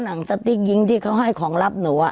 หนังสติ๊กยิงที่เขาให้ของรับหนู